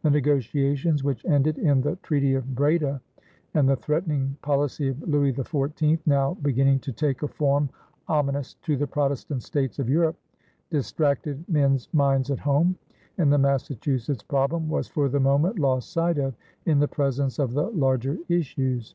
The negotiations which ended in the treaty of Breda, and the threatening policy of Louis XIV, now beginning to take a form ominous to the Protestant states of Europe, distracted men's minds at home, and the Massachusetts problem was for the moment lost sight of in the presence of the larger issues.